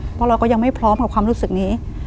เพราะเราก็ยังไม่พร้อมกับความรู้สึกนี้